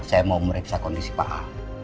saya mau meredis kondisi parah